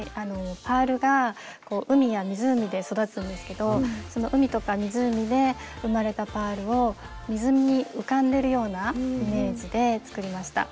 パールが海や湖で育つんですけどその海とか湖で生まれたパールを水に浮かんでるようなイメージで作りました。